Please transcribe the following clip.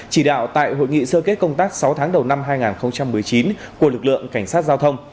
chỉ đạo tại hội nghị sơ kết công tác sáu tháng đầu năm hai nghìn một mươi chín của lực lượng cảnh sát giao thông